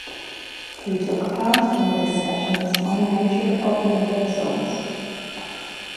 He took part in the discussions on the nature of Universals.